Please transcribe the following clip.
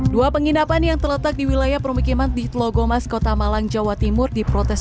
dua penginapan yang terletak di wilayah permukiman di telogomas kota malang jawa timur diprotes